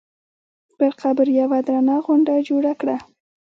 پر قبر یوه درنه غونډه جوړه کړه.